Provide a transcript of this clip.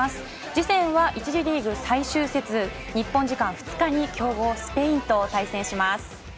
次戦は１次リーグ最終節日本時間２日に強豪スペインと対戦します。